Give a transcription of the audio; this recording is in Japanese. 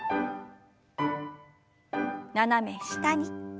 斜め下に。